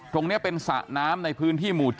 ตรงนี้เป็นสระน้ำในพื้นที่หมู่๗